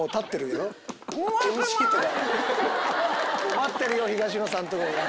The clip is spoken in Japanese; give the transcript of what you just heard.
待ってるよ東野さんとかが！